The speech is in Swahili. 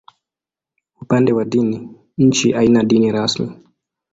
Upande wa dini, nchi haina dini rasmi.